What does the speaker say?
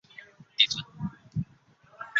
正八面体也是正三角反棱柱。